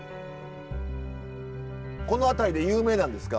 この辺りで有名なんですか？